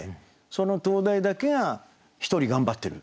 その灯台だけが１人頑張ってる。